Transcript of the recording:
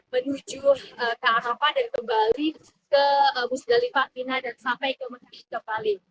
menuju ke arofa dan kembali ke pusdalipa mina dan sampai ke bali